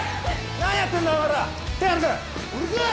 何やってんだお前ら手ぇ離せうるせえ！